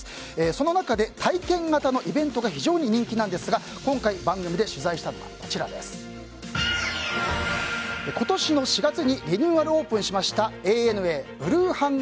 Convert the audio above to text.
その中で体験型のイベントが非常に人気なんですが今回、番組で取材したのは今年の４月にリニューアルオープンしましたＡＮＡＢｌｕｅＨａｎｇａｒＴｏｕｒです。